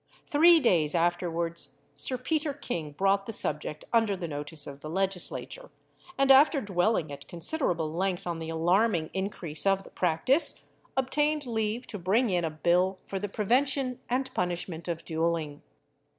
Three days afterwards, Sir Peter King brought the subject under the notice of the legislature; and after dwelling at considerable length on the alarming increase of the practice, obtained leave to bring in a bill for the prevention and punishment of duelling.